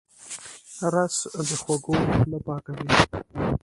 رس د خوږو خوله پاکوي